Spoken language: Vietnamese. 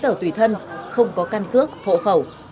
không có giấy tờ tùy thân không có căn cước hộ khẩu